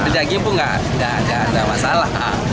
beli daging pun tidak ada masalah